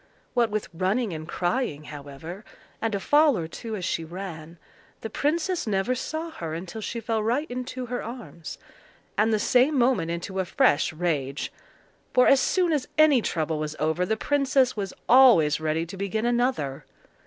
What with running and crying, however, and a fall or two as she ran, the princess never saw her until she fell right into her arms—and the same moment into a fresh rage; for as soon as any trouble was over the princess was always ready to begin another.